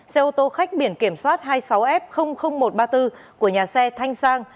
xe ô tô khách biển kiểm soát hai mươi sáu f một trăm ba mươi bốn của nhà xe thanh sang